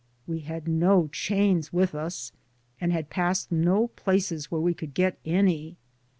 We had no chains with us, and had passed no places where we could get any.